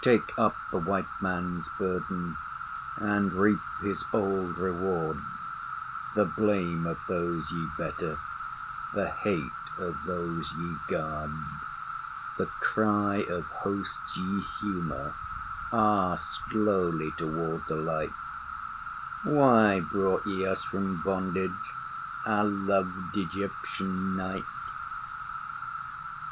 Take up the White Man's burden And reap his old reward; The blame of those ye better, The hate of those ye guard The cry of hosts ye humour (Ah, slowly!) toward the light: "Why brought ye us from bondage, Our loved Egyptian night?"